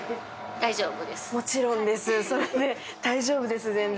大丈夫です全然。